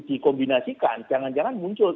dikombinasikan jangan jangan muncul